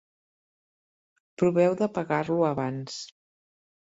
Proveu d'apagar-lo abans.